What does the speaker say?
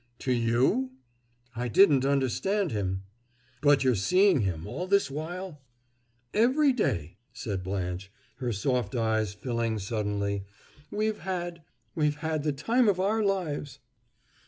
"To you?" "I didn't understand him." "But you're been seeing him all this while?" "Every day," said Blanche, her soft eyes filling suddenly. "We've had we've had the time of our lives!"